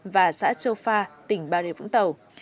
và xã châu pha tỉnh bà rịa vũng tàu